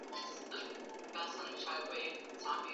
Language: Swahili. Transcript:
wadudu na kuathiri spishi nyingine ambazo huzitegemea kwa chakula